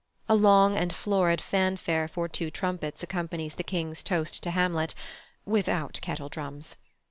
A long and florid fanfare for two trumpets accompanies the King's toast to Hamlet (without kettledrums).